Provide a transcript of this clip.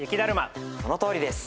そのとおりです。